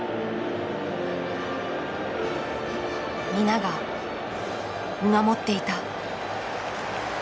皆が見守っていた。